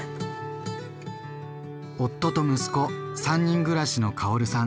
夫と息子３人暮らしのカオルさん。